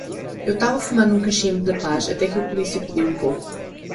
Eu tava fumando um cachimbo da paz até que o polícia pediu um pouco